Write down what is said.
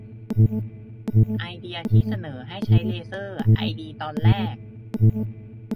ไอเดียที่เสนอให้ใช้เลเซอร์ไอดีตอนแรก